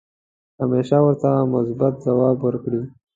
همیشه ورته مثبت ځواب ورکړئ .